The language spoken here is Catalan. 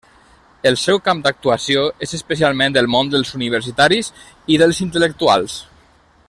El seu camp d’actuació és especialment el món dels universitaris i dels intel·lectuals.